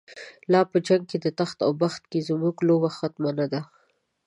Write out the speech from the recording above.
لا په جنگ د تخت او بخت کی، زمونږ لوبه ختمه نده